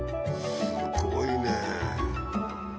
すごいねぇ。